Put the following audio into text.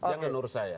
jangan urus saya